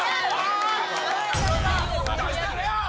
出してくれよ。